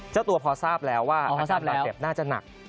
เจ้าตัวพอทราบแล้วทำอันตรายเต็ปน่าจะหนัก